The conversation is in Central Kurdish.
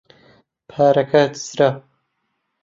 پارەکە دزرا.